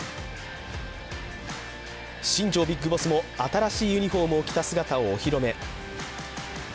新庄ビッグボスも新しいユニフォームを着た姿をお披露目。